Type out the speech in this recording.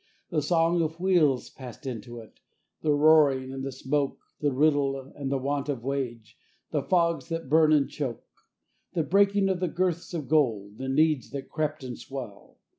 The song of wheels passed into it, the roaring and the smoke The riddle of the want and wage, the fogs that burn and choke. The breaking of the girths of gold, the needs that creep and swell.